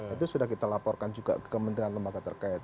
itu sudah kita laporkan juga ke kementerian lembaga terkait